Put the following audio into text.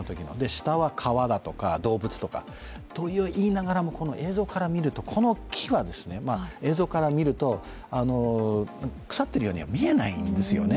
下は川だとか動物とか。といいながらも、映像から見ると、この木は腐っているようには見えないんですよね。